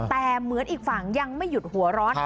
แต่เหมือนอีกฝั่งยังไม่หยุดหัวร้อน